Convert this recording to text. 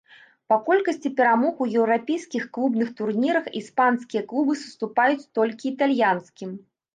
Па колькасці перамог у еўрапейскіх клубных турнірах іспанскія клубы саступаюць толькі італьянскім.